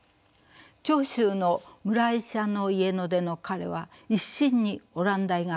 長州の村医者の家の出の彼は一心にオランダ医学を勉強。